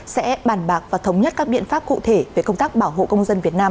sẽ bàn bạc và thống nhất các biện pháp cụ thể về công tác bảo hộ công dân việt nam